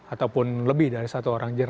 ataupun lebih dari satu orang